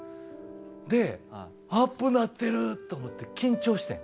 でアップになってる！と思って緊張してん